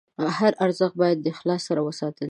هر ارزښت باید د اخلاص سره وساتل شي.